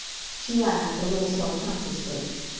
She laughed, a little self consciously.